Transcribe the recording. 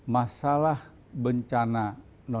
masalah bencana non alam